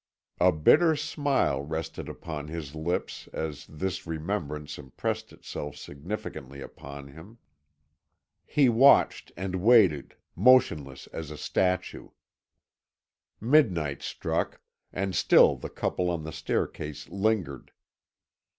A bitter smile rested upon his lips as this remembrance impressed itself significantly upon him. He watched and waited, motionless as a statue. Midnight struck, and still the couple on the staircase lingered.